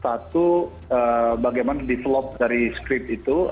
satu bagaimana develop dari script itu